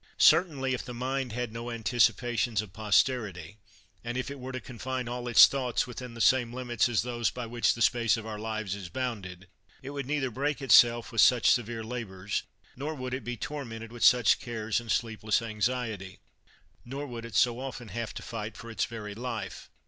Certainly, if the mind had no anticipations of posterity, and if it were to confine all its thoughts within the same limits as those by which the space of our lives is bounded, it would neither break itself with such severe labors, nor would it be tormented with such cares and sleepless anxiety, nor would it so often have to fight for its very life.